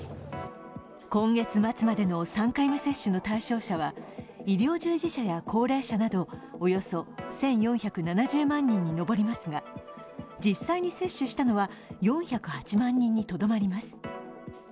今月末までの３回目接種の対象者は医療従事者や高齢者などおよそ１４７０万人に上りますが、実際に接種したのは４０８万人にとどまります。